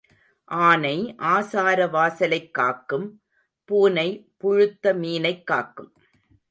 ஆனை ஆசார வாசலைக் காக்கும் பூனை புழுத்த மீனைக் காக்கும்.